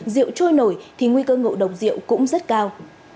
rượu trôi nổi thì nguy cơ ngộ độc rượu cũng rất cao